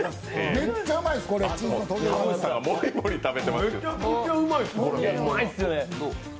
めちゃくちゃうまいです。